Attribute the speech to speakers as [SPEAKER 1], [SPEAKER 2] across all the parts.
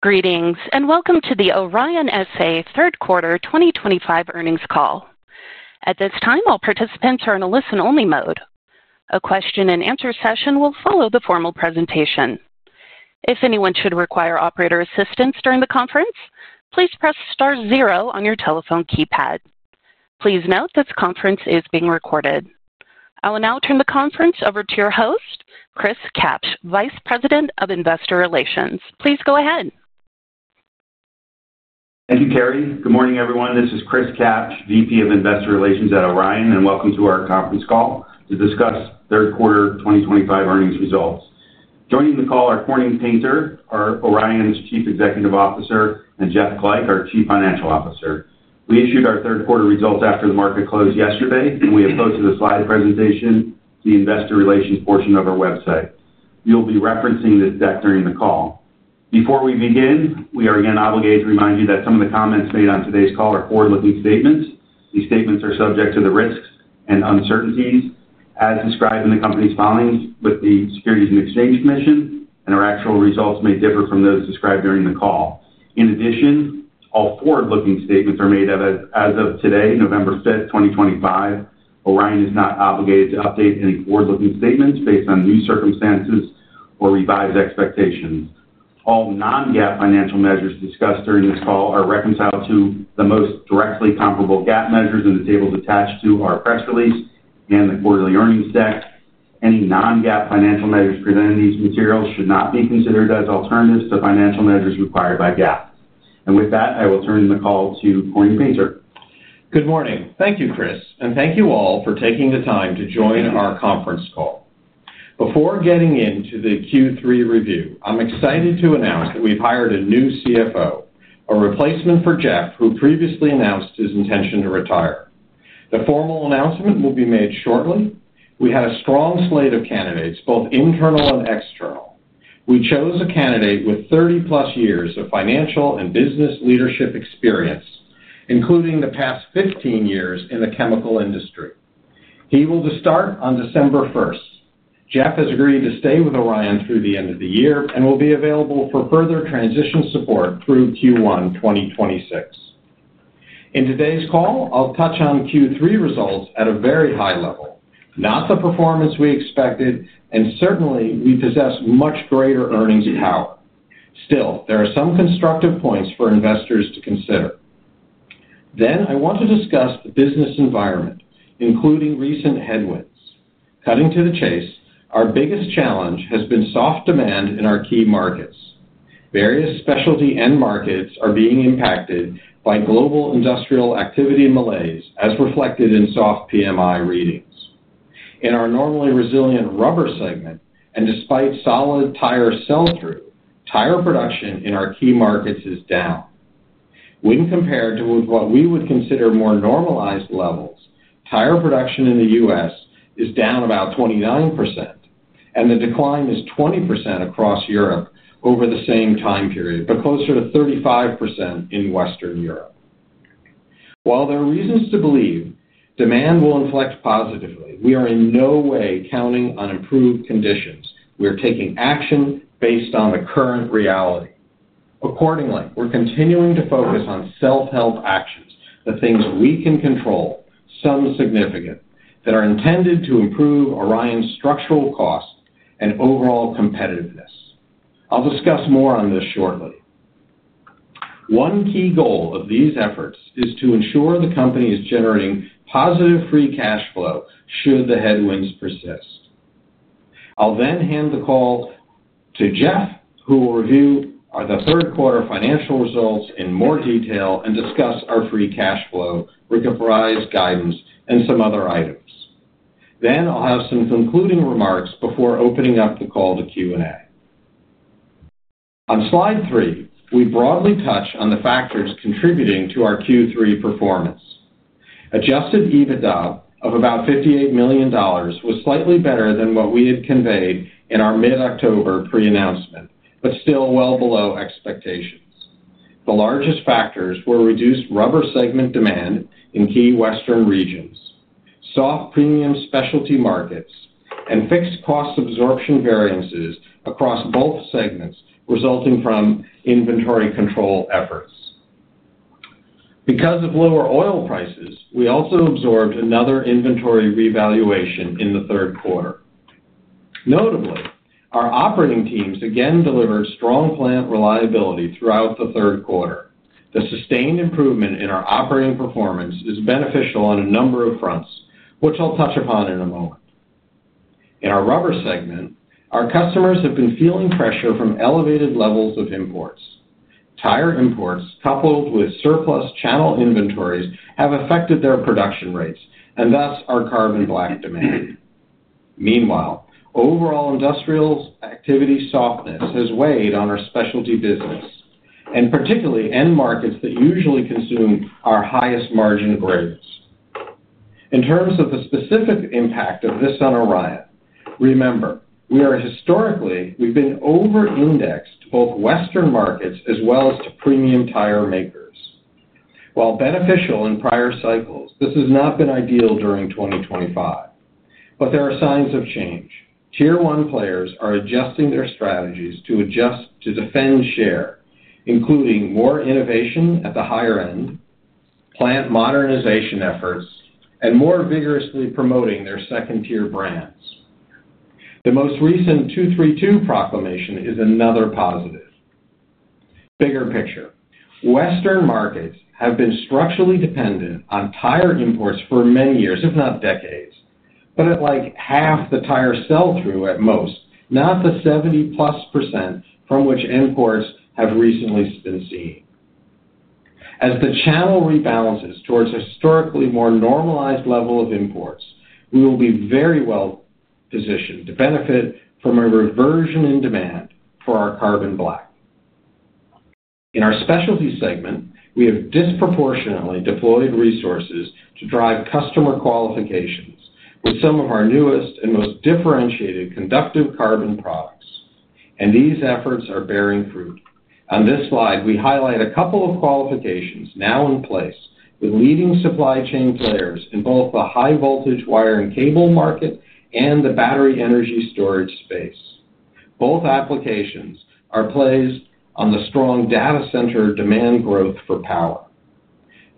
[SPEAKER 1] Greetings, and welcome to the Orion S.A. Third Quarter 2025 earnings call. At this time, all participants are in a listen-only mode. A question-and-answer session will follow the formal presentation. If anyone should require operator assistance during the conference, please press * zero on your telephone keypad. Please note this conference is being recorded. I will now turn the conference over to your host, Chris Kapsch, Vice President of Investor Relations. Please go ahead.
[SPEAKER 2] Thank you, Carrie. Good morning, everyone. This is Chris Kapsch, VP of Investor Relations at Orion, and welcome to our conference call to discuss Third Quarter 2025 earnings results. Joining the call are Corning Painter, Orion's Chief Executive Officer, and Jeff Glajch, our Chief Financial Officer. We issued our Third Quarter results after the market closed yesterday, and we have posted a slide presentation to the Investor Relations portion of our website. You'll be referencing this deck during the call. Before we begin, we are again obligated to remind you that some of the comments made on today's call are forward-looking statements. These statements are subject to the risks and uncertainties, as described in the company's filings with the Securities and Exchange Commission, and our actual results may differ from those described during the call. In addition, all forward-looking statements are made as of today, November 5th, 2025. Orion is not obligated to update any forward-looking statements based on new circumstances or revise expectations. All non-GAAP financial measures discussed during this call are reconciled to the most directly comparable GAAP measures in the tables attached to our press release and the quarterly earnings deck. Any non-GAAP financial measures presented in these materials should not be considered as alternatives to financial measures required by GAAP. With that, I will turn the call to Corning Painter.
[SPEAKER 3] Good morning. Thank you, Chris, and thank you all for taking the time to join our conference call. Before getting into the Q3 review, I'm excited to announce that we've hired a new CFO, a replacement for Jeff, who previously announced his intention to retire. The formal announcement will be made shortly. We had a strong slate of candidates, both internal and external. We chose a candidate with 30-plus years of financial and business leadership experience, including the past 15 years in the chemical industry. He will start on December 1. Jeff has agreed to stay with Orion through the end of the year and will be available for further transition support through Q1 2026. In today's call, I'll touch on Q3 results at a very high level, not the performance we expected, and certainly, we possess much greater earnings power. Still, there are some constructive points for investors to consider. Then, I want to discuss the business environment, including recent headwinds. Cutting to the chase, our biggest challenge has been soft demand in our key markets. Various specialty end markets are being impacted by global industrial activity malaise, as reflected in soft PMI readings. In our normally resilient rubber segment, and despite solid tire sell-through, tire production in our key markets is down. When compared to what we would consider more normalized levels, tire production in the U.S. is down about 29%, and the decline is 20% across Europe over the same time period, but closer to 35% in Western Europe. While there are reasons to believe demand will inflect positively, we are in no way counting on improved conditions. We are taking action based on the current reality. Accordingly, we're continuing to focus on self-help actions, the things we can control, some significant, that are intended to improve Orion's structural cost and overall competitiveness. I'll discuss more on this shortly. One key goal of these efforts is to ensure the company is generating positive free cash flow should the headwinds persist. I'll then hand the call to Jeff, who will review the third quarter financial results in more detail and discuss our free cash flow, RCF and free cash flow guidance, and some other items. I'll have some concluding remarks before opening up the call to Q&A. On slide three, we broadly touch on the factors contributing to our Q3 performance. Adjusted EBITDA of about $58 million was slightly better than what we had conveyed in our mid-October pre-announcement, but still well below expectations. The largest factors were reduced rubber segment demand in key Western regions, soft premium specialty markets, and fixed cost absorption variances across both segments, resulting from inventory control efforts. Because of lower oil prices, we also absorbed another inventory revaluation in the third quarter. Notably, our operating teams again delivered strong plant reliability throughout the third quarter. The sustained improvement in our operating performance is beneficial on a number of fronts, which I'll touch upon in a moment. In our rubber segment, our customers have been feeling pressure from elevated levels of imports. Tire imports, coupled with surplus channel inventories, have affected their production rates and thus our carbon black demand. Meanwhile, overall industrial activity softness has weighed on our specialty business. Particularly end markets that usually consume our highest margin grades. In terms of the specific impact of this on Orion, remember, we are historically—we've been over-indexed to both Western markets as well as to premium tire makers. While beneficial in prior cycles, this has not been ideal during 2025. There are signs of change. Tier one players are adjusting their strategies to defend share, including more innovation at the higher end, plant modernization efforts, and more vigorously promoting their second-tier brands. The most recent 232 proclamation is another positive. Bigger picture, Western markets have been structurally dependent on tire imports for many years, if not decades, but at like half the tire sell-through at most, not the 70-plus % from which imports have recently been seen. As the channel rebalances towards a historically more normalized level of imports, we will be very well positioned to benefit from a reversion in demand for our carbon black. In our specialty segment, we have disproportionately deployed resources to drive customer qualifications with some of our newest and most differentiated conductive carbon products, and these efforts are bearing fruit. On this slide, we highlight a couple of qualifications now in place with leading supply chain players in both the high-voltage wire and cable market and the battery energy storage space. Both applications are placed on the strong data center demand growth for power.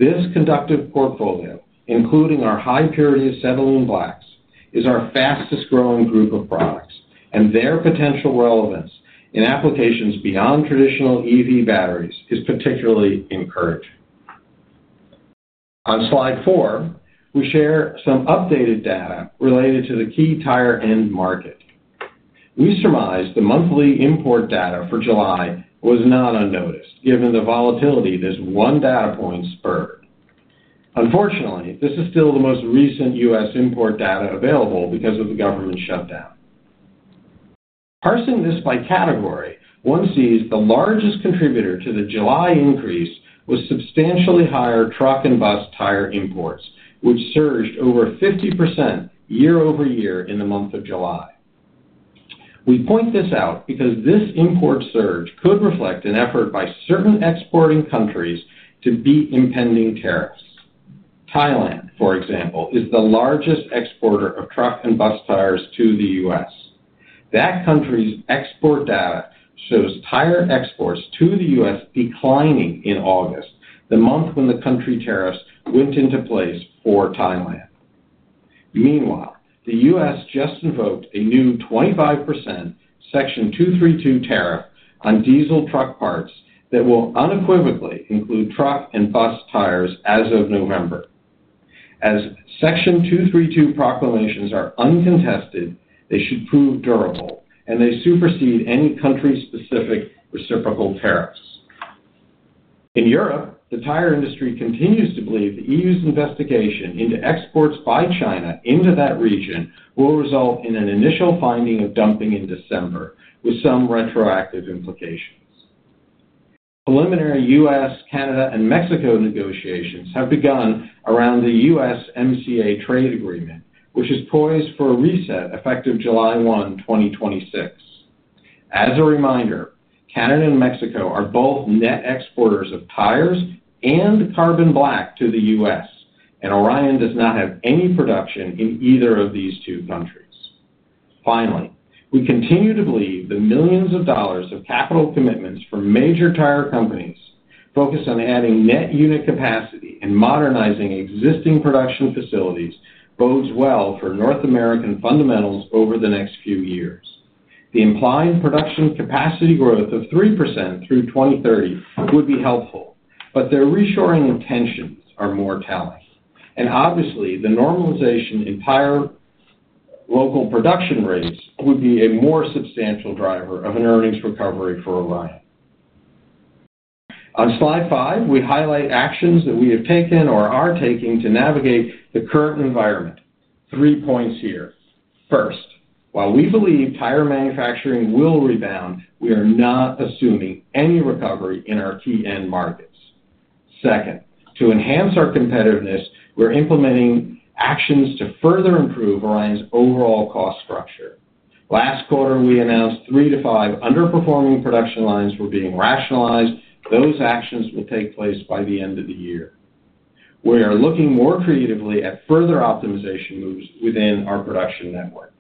[SPEAKER 3] This conductive portfolio, including our high-purity acetylene blacks, is our fastest-growing group of products, and their potential relevance in applications beyond traditional EV batteries is particularly encouraging. On slide four, we share some updated data related to the key tire end market. We surmise the monthly import data for July was not unnoticed, given the volatility this one data point spurred. Unfortunately, this is still the most recent U.S. import data available because of the government shutdown. Parsing this by category, one sees the largest contributor to the July increase was substantially higher truck and bus tire imports, which surged over 50% year over year in the month of July. We point this out because this import surge could reflect an effort by certain exporting countries to beat impending tariffs. Thailand, for example, is the largest exporter of truck and bus tires to the U.S. That country's export data shows tire exports to the U.S. declining in August, the month when the country tariffs went into place for Thailand. Meanwhile, the U.S. just invoked a new 25% Section 232 tariff on diesel truck parts that will unequivocally include truck and bus tires as of November. As Section 232 proclamations are uncontested, they should prove durable, and they supersede any country-specific reciprocal tariffs. In Europe, the tire industry continues to believe the EU's investigation into exports by China into that region will result in an initial finding of dumping in December, with some retroactive implications. Preliminary U.S., Canada, and Mexico negotiations have begun around the USMCA trade agreement, which is poised for a reset effective July 1, 2026. As a reminder, Canada and Mexico are both net exporters of tires and carbon black to the U.S., and Orion does not have any production in either of these two countries. Finally, we continue to believe the millions of dollars of capital commitments from major tire companies focused on adding net unit capacity and modernizing existing production facilities bodes well for North American fundamentals over the next few years. The implied production capacity growth of 3% through 2030 would be helpful, but their reassuring intentions are more telling. Obviously, the normalization in tire local production rates would be a more substantial driver of an earnings recovery for Orion. On slide five, we highlight actions that we have taken or are taking to navigate the current environment. Three points here. First, while we believe tire manufacturing will rebound, we are not assuming any recovery in our key end markets. Second, to enhance our competitiveness, we're implementing actions to further improve Orion's overall cost structure. Last quarter, we announced three to five underperforming production lines were being rationalized. Those actions will take place by the end of the year. We are looking more creatively at further optimization moves within our production network.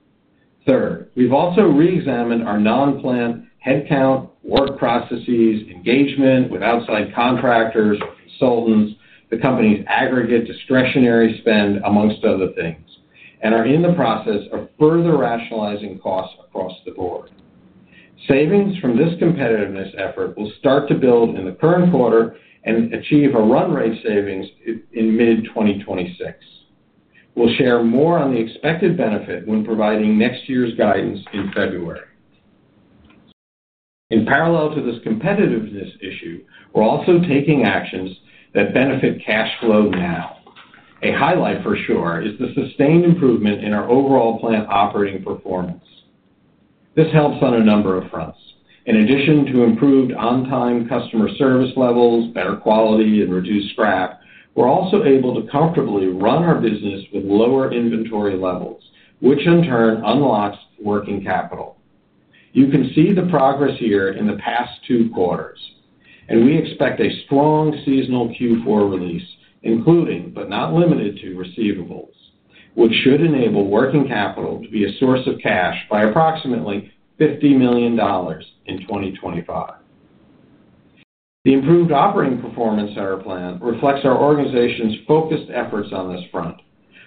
[SPEAKER 3] Third, we've also re-examined our non-planned headcount, work processes, engagement with outside contractors or consultants, the company's aggregate discretionary spend, amongst other things, and are in the process of further rationalizing costs across the board. Savings from this competitiveness effort will start to build in the current quarter and achieve a run rate savings in mid-2026. We'll share more on the expected benefit when providing next year's guidance in February. In parallel to this competitiveness issue, we're also taking actions that benefit cash flow now. A highlight for sure is the sustained improvement in our overall plant operating performance. This helps on a number of fronts. In addition to improved on-time customer service levels, better quality, and reduced scrap, we're also able to comfortably run our business with lower inventory levels, which in turn unlocks working capital. You can see the progress here in the past two quarters, and we expect a strong seasonal Q4 release, including, but not limited to, receivables, which should enable working capital to be a source of cash by approximately $50 million in 2025. The improved operating performance of our plan reflects our organization's focused efforts on this front,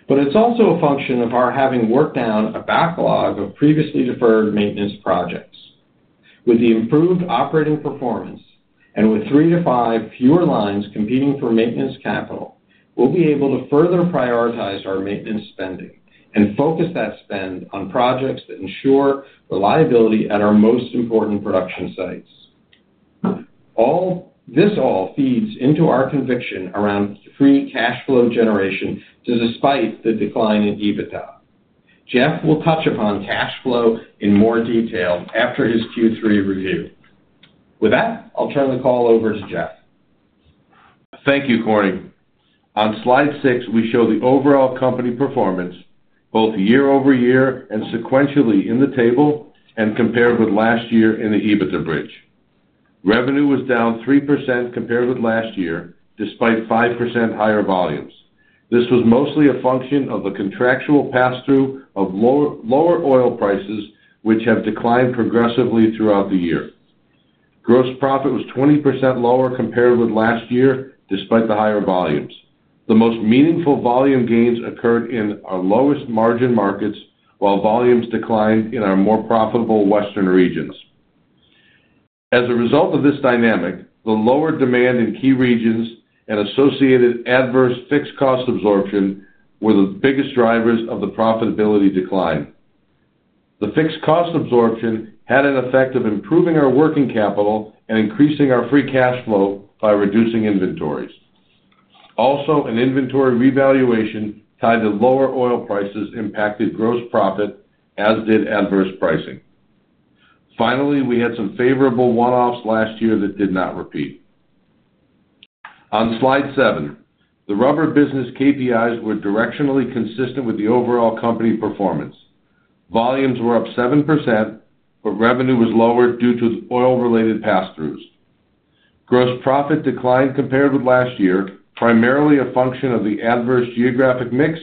[SPEAKER 3] but it is also a function of our having worked down a backlog of previously deferred maintenance projects. With the improved operating performance and with three to five fewer lines competing for maintenance capital, we will be able to further prioritize our maintenance spending and focus that spend on projects that ensure reliability at our most important production sites. This all feeds into our conviction around free cash flow generation despite the decline in EBITDA. Jeff will touch upon cash flow in more detail after his Q3 review. With that, I'll turn the call over to Jeff.
[SPEAKER 4] Thank you, Corning. On slide six, we show the overall company performance, both year over year and sequentially in the table and compared with last year in the EBITDA bridge. Revenue was down 3% compared with last year, despite 5% higher volumes. This was mostly a function of the contractual pass-through of lower oil prices, which have declined progressively throughout the year. Gross profit was 20% lower compared with last year, despite the higher volumes. The most meaningful volume gains occurred in our lowest margin markets, while volumes declined in our more profitable Western regions. As a result of this dynamic, the lower demand in key regions and associated adverse fixed cost absorption were the biggest drivers of the profitability decline. The fixed cost absorption had an effect of improving our working capital and increasing our free cash flow by reducing inventories. Also, an inventory revaluation tied to lower oil prices impacted gross profit, as did adverse pricing. Finally, we had some favorable one-offs last year that did not repeat. On slide seven, the rubber business KPIs were directionally consistent with the overall company performance. Volumes were up 7%, but revenue was lower due to oil-related pass-throughs. Gross profit declined compared with last year, primarily a function of the adverse geographic mix,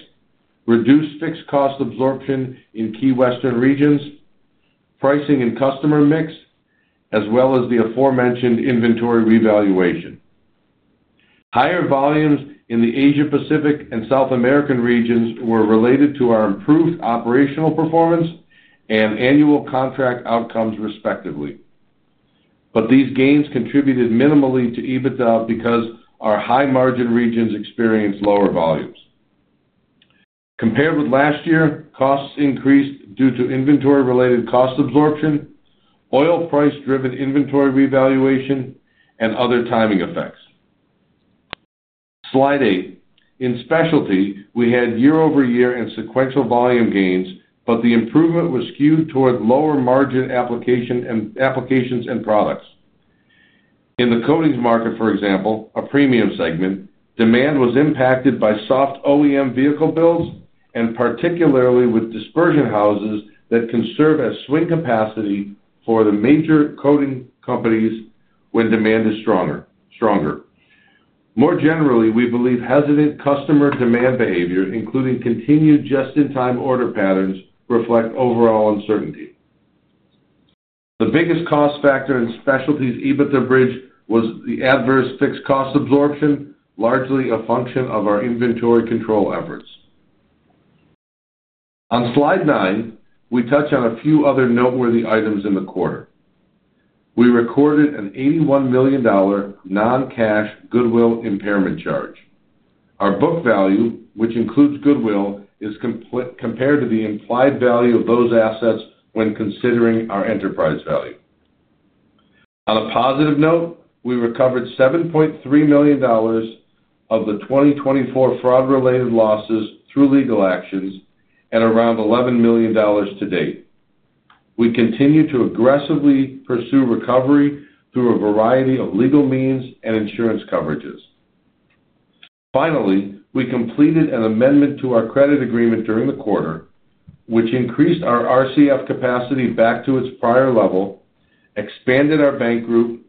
[SPEAKER 4] reduced fixed cost absorption in key Western regions, pricing and customer mix, as well as the aforementioned inventory revaluation. Higher volumes in the Asia-Pacific and South American regions were related to our improved operational performance and annual contract outcomes, respectively. These gains contributed minimally to EBITDA because our high-margin regions experienced lower volumes. Compared with last year, costs increased due to inventory-related cost absorption, oil price-driven inventory revaluation, and other timing effects. Slide eight. In specialty, we had year-over-year and sequential volume gains, but the improvement was skewed toward lower margin applications and products. In the coatings market, for example, a premium segment, demand was impacted by soft OEM vehicle builds and particularly with dispersion houses that can serve as swing capacity for the major coating companies when demand is stronger. More generally, we believe hesitant customer demand behavior, including continued just-in-time order patterns, reflects overall uncertainty. The biggest cost factor in specialty's EBITDA bridge was the adverse fixed cost absorption, largely a function of our inventory control efforts. On slide nine, we touch on a few other noteworthy items in the quarter. We recorded an $81 million non-cash goodwill impairment charge. Our book value, which includes goodwill, is compared to the implied value of those assets when considering our enterprise value. On a positive note, we recovered $7.3 million of the 2024 fraud-related losses through legal actions and around $11 million to date. We continue to aggressively pursue recovery through a variety of legal means and insurance coverages. Finally, we completed an amendment to our credit agreement during the quarter, which increased our RCF capacity back to its prior level, expanded our bank group,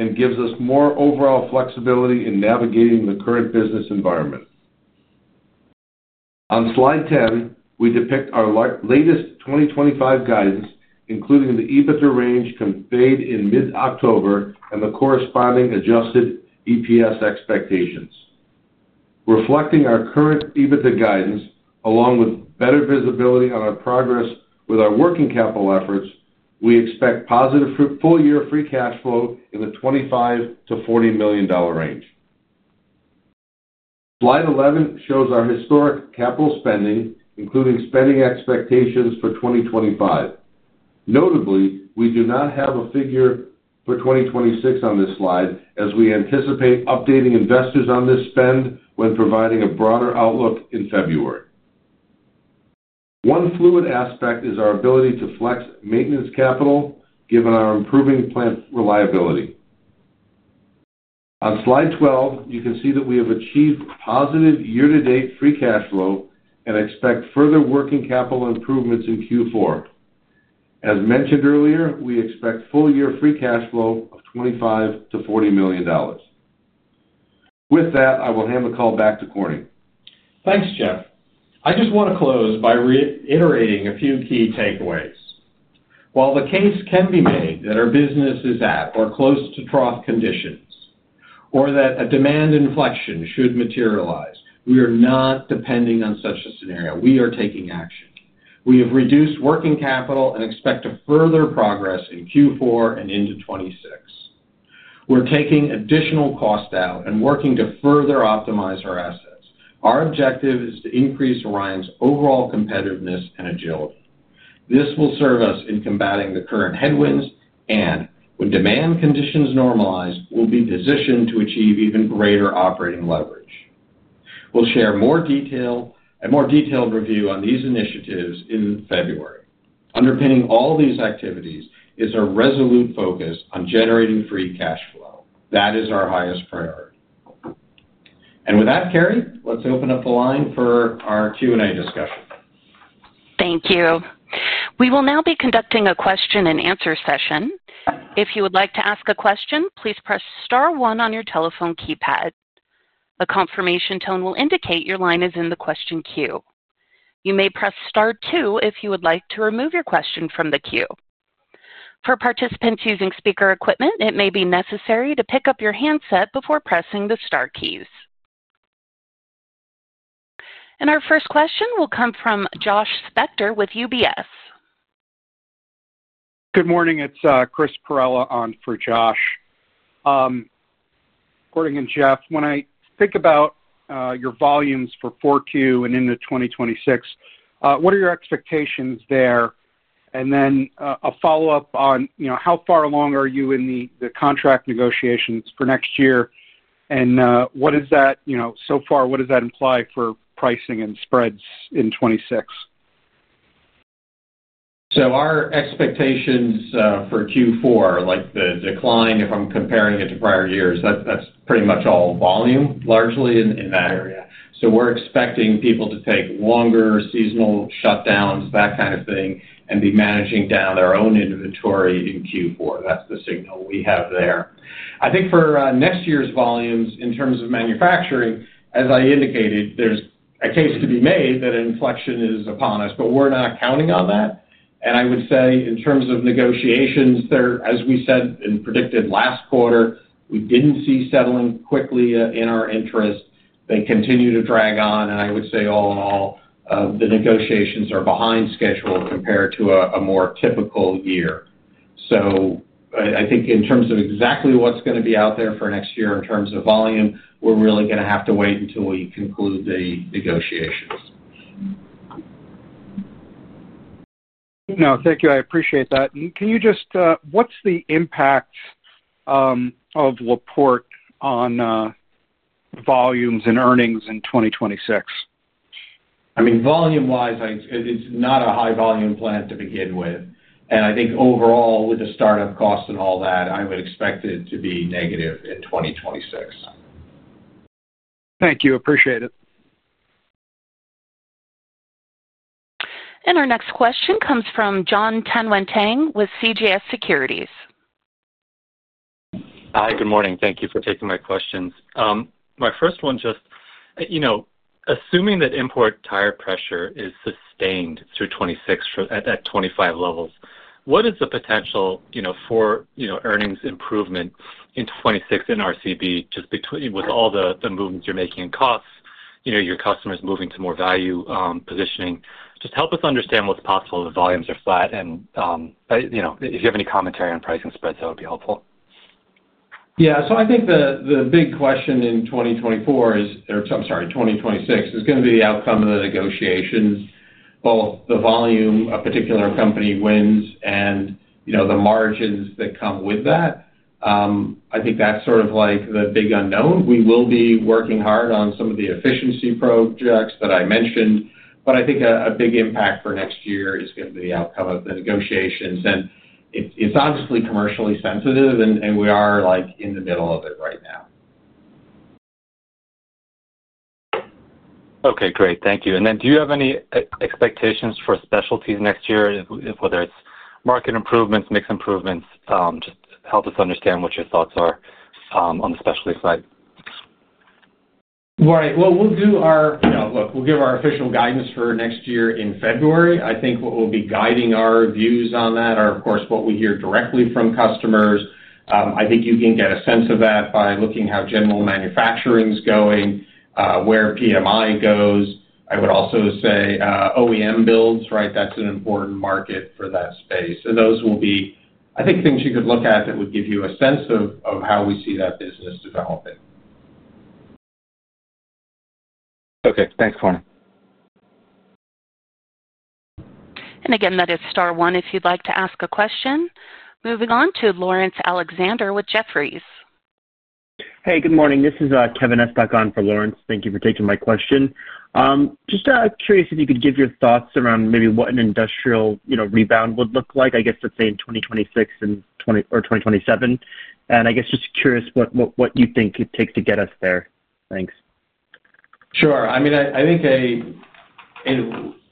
[SPEAKER 4] and gives us more overall flexibility in navigating the current business environment. On slide 10, we depict our latest 2025 guidance, including the EBITDA range conveyed in mid-October and the corresponding adjusted EPS expectations. Reflecting our current EBITDA guidance, along with better visibility on our progress with our working capital efforts, we expect positive full-year free cash flow in the $25 million-$40 million range. Slide 11 shows our historic capital spending, including spending expectations for 2025. Notably, we do not have a figure for 2026 on this slide, as we anticipate updating investors on this spend when providing a broader outlook in February. One fluid aspect is our ability to flex maintenance capital, given our improving plant reliability. On slide 12, you can see that we have achieved positive year-to-date free cash flow and expect further working capital improvements in Q4. As mentioned earlier, we expect full-year free cash flow of $25-$40 million. With that, I will hand the call back to Corning.
[SPEAKER 3] Thanks, Jeff. I just want to close by reiterating a few key takeaways. While the case can be made that our business is at or close to trough conditions, or that a demand inflection should materialize, we are not depending on such a scenario. We are taking action. We have reduced working capital and expect further progress in Q4 and into 2026. We're taking additional cost out and working to further optimize our assets. Our objective is to increase Orion's overall competitiveness and agility. This will serve us in combating the current headwinds, and when demand conditions normalize, we'll be positioned to achieve even greater operating leverage. We'll share more detail and more detailed review on these initiatives in February. Underpinning all these activities is a resolute focus on generating free cash flow. That is our highest priority. With that, Carrie, let's open up the line for our Q&A discussion.
[SPEAKER 1] Thank you. We will now be conducting a question-and-answer session. If you would like to ask a question, please press * 1 on your telephone keypad. A confirmation tone will indicate your line is in the question queue. You may press * 2 if you would like to remove your question from the queue. For participants using speaker equipment, it may be necessary to pick up your handset before pressing the * keys. Our first question will come from Josh Spector with UBS.
[SPEAKER 5] Good morning. It is Chris Pirella on for Josh. Corning and Jeff, when I think about your volumes for Q4 and into 2026, what are your expectations there? A follow-up on how far along are you in the contract negotiations for next year? What does that, so far, what does that imply for pricing and spreads in 2026?
[SPEAKER 3] Our expectations for Q4, like the decline, if I am comparing it to prior years, that is pretty much all volume, largely in that area. We're expecting people to take longer seasonal shutdowns, that kind of thing, and be managing down their own inventory in Q4. That's the signal we have there. I think for next year's volumes, in terms of manufacturing, as I indicated, there's a case to be made that an inflection is upon us, but we're not counting on that. I would say, in terms of negotiations, as we said and predicted last quarter, we didn't see settling quickly in our interest. They continue to drag on. I would say, all in all, the negotiations are behind schedule compared to a more typical year. I think, in terms of exactly what's going to be out there for next year in terms of volume, we're really going to have to wait until we conclude the negotiations.
[SPEAKER 5] No, thank you. I appreciate that. Can you just—what's the impact of Laporte on. Volumes and earnings in 2026?
[SPEAKER 3] I mean, volume-wise, it's not a high-volume plant to begin with. I think, overall, with the startup costs and all that, I would expect it to be negative in 2026.
[SPEAKER 5] Thank you. Appreciate it.
[SPEAKER 1] Our next question comes from John Tan Wen Tang with CGS Securities.
[SPEAKER 6] Hi, good morning. Thank you for taking my questions. My first one just. Assuming that import tire pressure is sustained through 2026 at 2025 levels, what is the potential for earnings improvement in 2026 in RCB, just with all the movements you're making in costs, your customers moving to more value positioning? Just help us understand what's possible if volumes are flat. If you have any commentary on pricing spreads, that would be helpful..
[SPEAKER 3] I think the big question in 2024 is—or I'm sorry, 2026—is going to be the outcome of the negotiations, both the volume a particular company wins and the margins that come with that. I think that's sort of like the big unknown. We will be working hard on some of the efficiency projects that I mentioned. I think a big impact for next year is going to be the outcome of the negotiations. It is obviously commercially sensitive, and we are in the middle of it right now.
[SPEAKER 6] Okay. Great. Thank you. Do you have any expectations for specialties next year, whether it's market improvements, mixed improvements? Just help us understand what your thoughts are on the specialty side.
[SPEAKER 3] Right. We'll do our—look, we'll give our official guidance for next year in February. I think what will be guiding our views on that are, of course, what we hear directly from customers. I think you can get a sense of that by looking at how general manufacturing's going, where PMI goes. I would also say OEM builds, right? That's an important market for that space. Those will be, I think, things you could look at that would give you a sense of how we see that business developing.
[SPEAKER 6] Okay. Thanks, Corning.
[SPEAKER 1] Again, that is * 1 if you'd like to ask a question. Moving on to Lawrence Alexander with Jefferies.
[SPEAKER 7] Hey, good morning. This is Kevin Eskakon for Lawrence. Thank you for taking my question. Just curious if you could give your thoughts around maybe what an industrial rebound would look like, I guess, let's say, in 2026 or 2027. I guess just curious what you think it takes to get us there. Thanks.
[SPEAKER 3] Sure. I mean, I think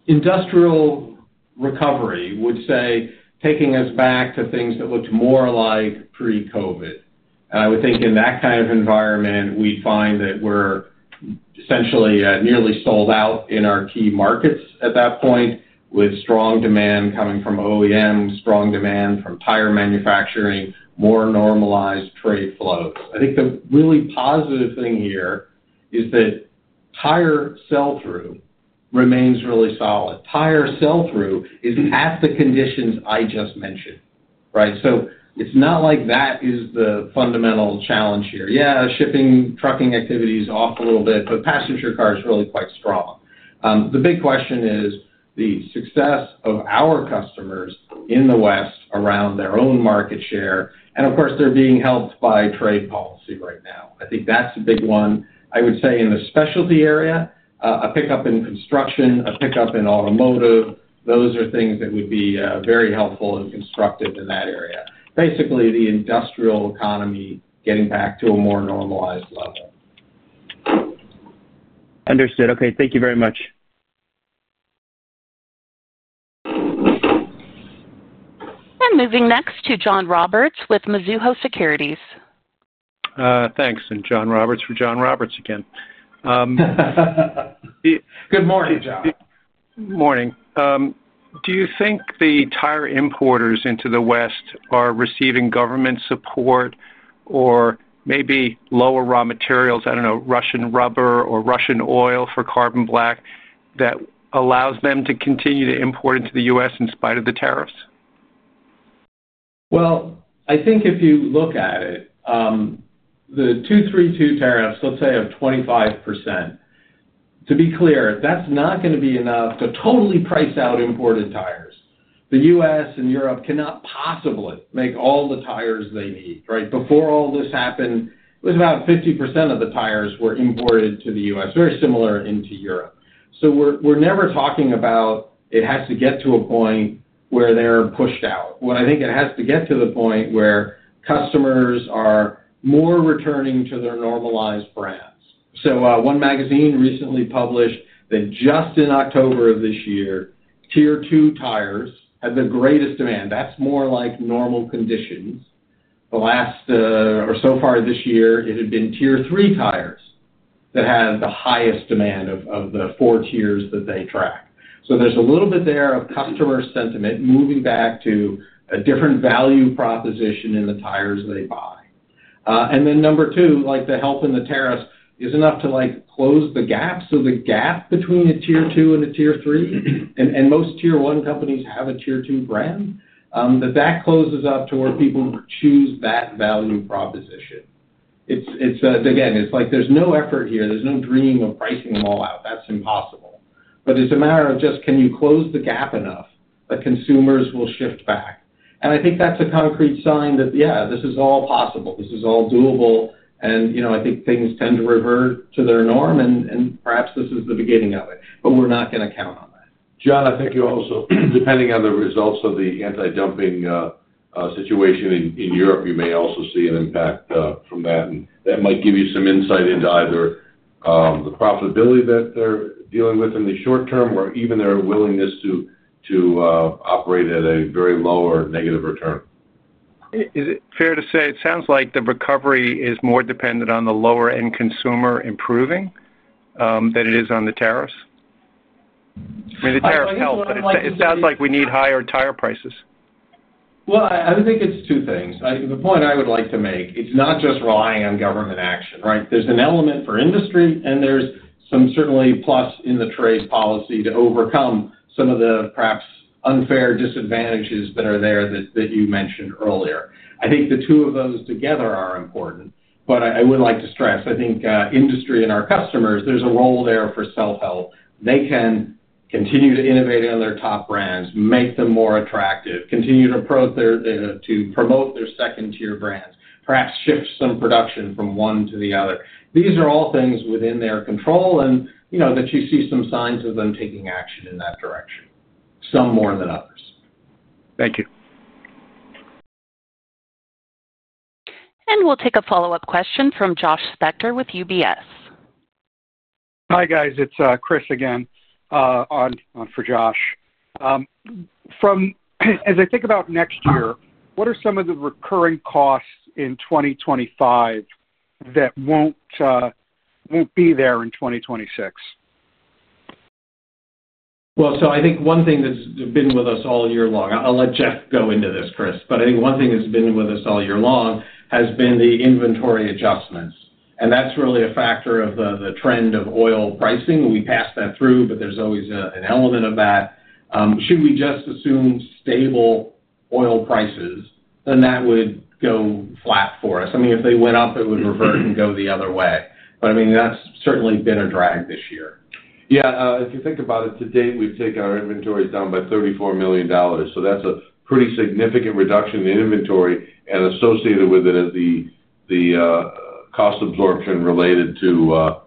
[SPEAKER 3] industrial recovery would say taking us back to things that looked more like pre-COVID. I would think, in that kind of environment, we'd find that we're essentially nearly sold out in our key markets at that point, with strong demand coming from OEM, strong demand from tire manufacturing, more normalized trade flows. I think the really positive thing here is that tire sell-through remains really solid. Tire sell-through is at the conditions I just mentioned, right? It's not like that is the fundamental challenge here, shipping, trucking activity is off a little bit, but passenger car is really quite strong. The big question is the success of our customers in the West around their own market share. Of course, they're being helped by trade policy right now. I think that's a big one. I would say, in the specialty area, a pickup in construction, a pickup in automotive, those are things that would be very helpful and constructive in that area. Basically, the industrial economy getting back to a more normalized level.
[SPEAKER 7] Understood. Okay. Thank you very much.
[SPEAKER 1] Moving next to John Roberts with Mizuho Securities.
[SPEAKER 8] Thanks. John Roberts for John Roberts again.
[SPEAKER 3] Good morning, John.
[SPEAKER 8] Morning. Do you think the tire importers into the West are receiving government support or maybe lower raw materials—I do not know—Russian rubber or Russian oil for carbon black that allows them to continue to import into the U.S. in spite of the tariffs?
[SPEAKER 3] I think, if you look at it, the Section 232 tariffs, let's say, of 25%. To be clear, that's not going to be enough to totally price out imported tires. The U.S. and Europe cannot possibly make all the tires they need, right? Before all this happened, it was about 50% of the tires were imported to the U.S., very similar into Europe. We're never talking about it has to get to a point where they're pushed out. What I think it has to get to is the point where customers are more returning to their normalized brands. One Magazine recently published that, just in October of this year, tier two tires had the greatest demand. That's more like normal conditions. So far this year, it had been tier three tires that had the highest demand of the four tiers that they track. There is a little bit there of customer sentiment moving back to a different value proposition in the tires they buy. Number two, like the help in the tariffs, is enough to close the gap. The gap between a tier two and a tier three—and most tier one companies have a tier two brand—that closes up to where people choose that value proposition. Again, it is like there is no effort here. There is no dream of pricing them all out. That is impossible. It is a matter of just, can you close the gap enough that consumers will shift back? I think that is a concrete sign that, this is all possible. This is all doable. I think things tend to revert to their norm, and perhaps this is the beginning of it. We are not going to count on that. John, I think you also, depending on the results of the anti-dumping situation in Europe, you may also see an impact from that. That might give you some insight into either the profitability that they're dealing with in the short term or even their willingness to operate at a very low or negative return.
[SPEAKER 8] Is it fair to say it sounds like the recovery is more dependent on the lower-end consumer improving than it is on the tariffs? I mean, the tariffs help, but it sounds like we need higher tire prices.
[SPEAKER 3] I would think it's two things. The point I would like to make, it's not just relying on government action, right? There's an element for industry, and there's some certainly plus in the trade policy to overcome some of the perhaps unfair disadvantages that are there that you mentioned earlier. I think the two of those together are important. I would like to stress, I think, industry and our customers, there's a role there for self-help. They can continue to innovate on their top brands, make them more attractive, continue to promote their second-tier brands, perhaps shift some production from one to the other. These are all things within their control and that you see some signs of them taking action in that direction, some more than others.
[SPEAKER 1] Thank you. We'll take a follow-up question from Josh Spector with UBS.
[SPEAKER 5] Hi, guys. It's Chris again. On for Josh. As I think about next year, what are some of the recurring costs in 2025 that won't be there in 2026?
[SPEAKER 3] I think one thing that's been with us all year long—I will let Jeff go into this, Chris—but I think one thing that's been with us all year long has been the inventory adjustments. That is really a factor of the trend of oil pricing. We pass that through, but there is always an element of that. Should we just assume stable oil prices, then that would go flat for us. I mean, if they went up, it would revert and go the other way. I mean, that has certainly been a drag this year.
[SPEAKER 4] If you think about it, to date, we have taken our inventories down by $34 million. That is a pretty significant reduction in inventory. Associated with it is the cost absorption related to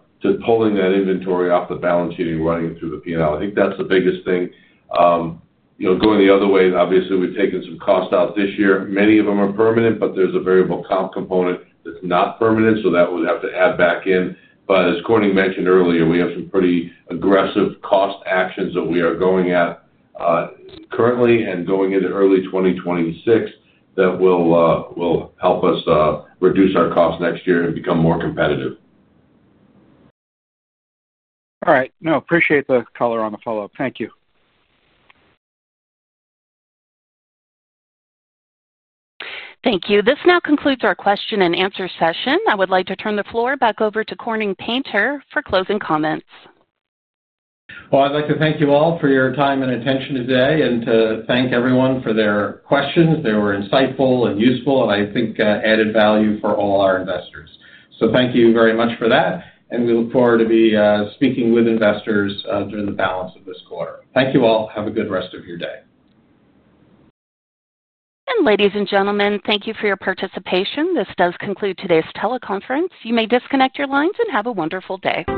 [SPEAKER 4] pulling that inventory off the balance sheet and running it through the P&L. I think that is the biggest thing. Going the other way, obviously, we've taken some costs out this year. Many of them are permanent, but there's a variable comp component that's not permanent, so that would have to add back in. As Corning mentioned earlier, we have some pretty aggressive cost actions that we are going at currently and going into early 2026 that will help us reduce our costs next year and become more competitive.
[SPEAKER 5] All right. No, appreciate the color on the follow-up. Thank you.
[SPEAKER 1] Thank you. This now concludes our question-and-answer session. I would like to turn the floor back over to Corning Painter for closing comments.
[SPEAKER 3] I would like to thank you all for your time and attention today and to thank everyone for their questions. They were insightful and useful, and I think added value for all our investors. Thank you very much for that. We look forward to speaking with investors during the balance of this quarter. Thank you all. Have a good rest of your day.
[SPEAKER 1] Ladies and gentlemen, thank you for your participation. This does conclude today's teleconference. You may disconnect your lines and have a wonderful day.